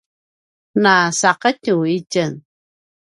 nu saqetju itjen